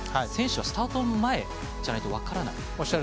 選手はスタート前じゃないと分からないんですか？